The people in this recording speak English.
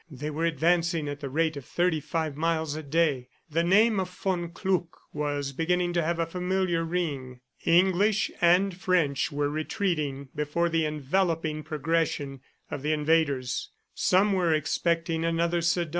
. They were advancing at the rate of thirty five miles a day. The name of von Kluck was beginning to have a familiar ring. English and French were retreating before the enveloping progression of the invaders. Some were expecting another Sedan.